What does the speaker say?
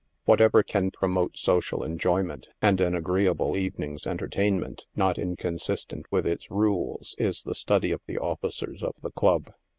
Whatever can promote social enjoyment and an agreeable evening's entertainment not inconsistent with its rules, is the study of the officers of the club.